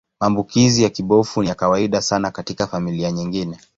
Maambukizi ya kibofu ni ya kawaida sana katika familia nyingine.